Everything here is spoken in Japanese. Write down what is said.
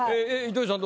糸井さん